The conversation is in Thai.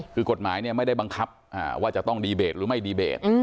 คือกฎหมายไม่ได้บังคับว่าจะต้องดีเบตหรือไม่ดีเบต